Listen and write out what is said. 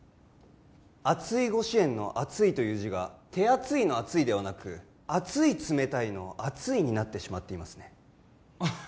「あついご支援」の「あつい」という字が「手厚い」の「厚い」ではなく「熱い冷たい」の「熱い」になってしまっていますね